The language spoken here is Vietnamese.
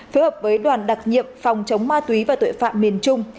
phối hợp với đoàn đặc nhiệm phòng chống ma túy và tội phạm miền trung